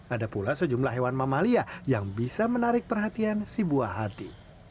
ada pula sejumlah hewan mamalia yang bisa menarik perhatian si buah hati